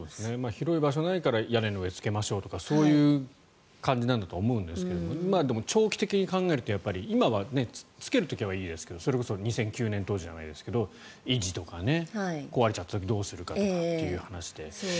広い場所がないから屋根の上につけましょうとかそういう感じだと思いますがでも長期的に考えると今はつける時はいいですがそれこそ２００９年当時じゃないですけど維持とか壊れちゃった時どうするかという話ですね。